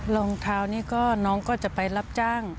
รองเท้านี้ก็น้องก็จะไปรับจ้าง